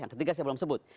yang ketiga saya belum sebut